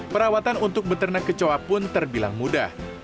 perawatan untuk beternak kecoa pun terbilang mudah